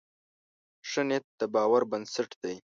ښه نیت د باور بنسټ دی.